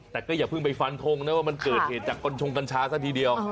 แต่ก็อย่าเพิ่งไปฟันทงนะว่ามันเกิดเหตุจากกัญชงกัญชาซะทีเดียว